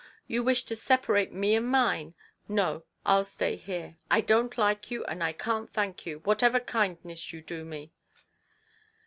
You wish to separate me and mine ! No, I'll stay here. I don't like you, and I can't thank you, whatever kindness you do me."